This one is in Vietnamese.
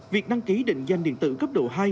việc đăng ký định danh điện tử cấp độ hai